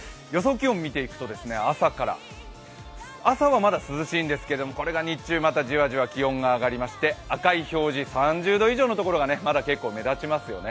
気温を見ていくと、朝はまだ涼しいんですけれども、これが日中またじわじわ気温が上がりまして赤い表示、３０度以上のところが、まだ結構目立ちますよね。